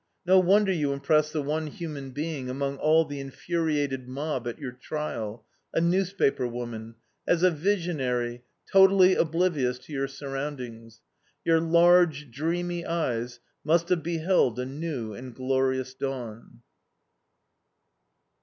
No wonder you impressed the one human being among all the infuriated mob at your trial a newspaper woman as a visionary, totally oblivious to your surroundings. Your large, dreamy eyes must have beheld a new and glorious dawn.